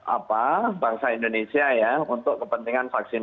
apa bangsa indonesia ya untuk kepentingan vaksin